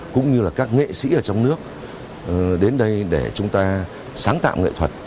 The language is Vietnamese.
cũng như là các nghệ sĩ ở trong nước đến đây để chúng ta sáng tạo nghệ thuật